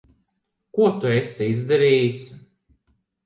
Ko tu esi izdarījis?